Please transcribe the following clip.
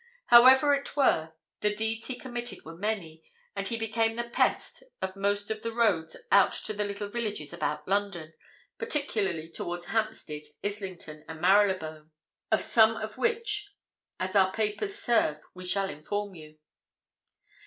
However it were, the deeds he committed were many, and he became the pest of most of the roads out to the little villages about London, particularly towards Hampstead, Islington and Marylebone, of some of which as our papers serve we shall inform you.